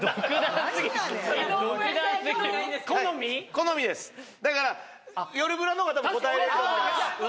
好みですだからよるブラの方が答えられると思います